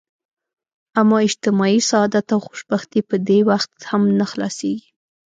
اما اجتماعي سعادت او خوشبختي په دې وخت هم نه حلاصیږي.